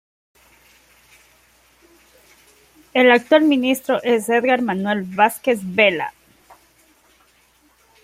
El actual ministro es Edgar Manuel Vásquez Vela.